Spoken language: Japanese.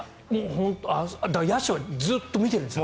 野手はずっと見てるんですか？